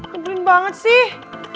kebelin banget sih